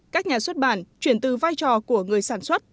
các nhà xuất bản chuyển từ vai trò của người sản xuất